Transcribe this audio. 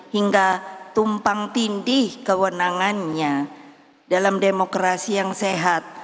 hingga tumpang tindih kewenangannya dalam demokrasi yang sehat